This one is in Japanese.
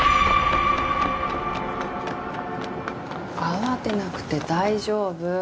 慌てなくて大丈夫。